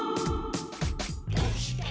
「どうして？